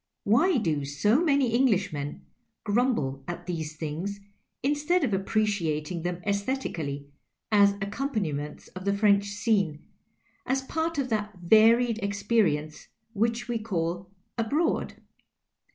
Why do so 292 PICKLES AND PICARDS many Englishmen gnimblc at these things instead of appreciating them aesthetically, as accompaniments of the French scene, as part of that varied experience which we call " abroad